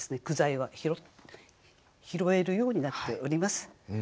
句材は拾えるようになっております。